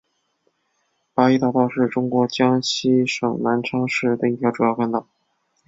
八一大道是中国江西省南昌市的一条主要干道。